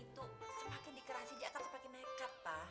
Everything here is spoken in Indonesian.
anak itu semakin dikerasi dia akan semakin mekat pak